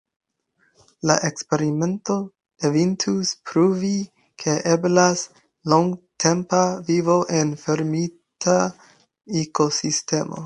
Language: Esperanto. La eksperimento devintus pruvi, ke eblas longtempa vivo en fermita ekosistemo.